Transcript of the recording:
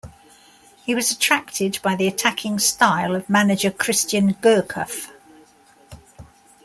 He was attracted by the attacking style of manager Christian Gourcuff.